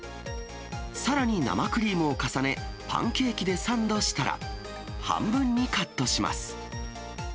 さらに、生クリームを重ね、パンケーキでサンドしたら、半分にカットします。